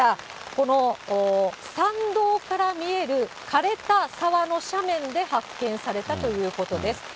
この山道から見えるかれた沢の斜面で発見されたということです。